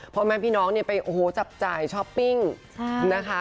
พวกแม่พี่น้องไปจับจ่ายช้อปปิ้งนะคะ